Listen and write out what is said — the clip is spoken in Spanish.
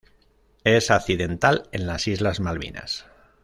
Es accidental en las islas Malvinas.